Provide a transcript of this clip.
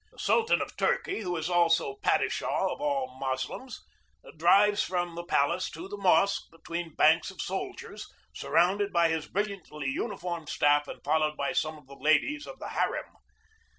The Sultan of Turkey, who is also Padi shah of all Moslems, drives from the palace to the mosque between banks of soldiers, surrounded by his brilliantly uniformed staff and followed by some of the ladies of the harem.